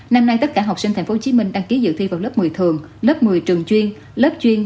năm nay tất cả học sinh tp hcm đăng ký dự thi vào lớp một mươi thường lớp một mươi trường chuyên lớp chuyên